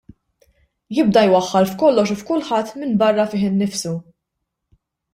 Jibda jwaħħal f'kollox u f'kulħadd minbarra fih innifsu.